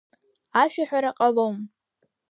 Ашәаҳәара ҟалом!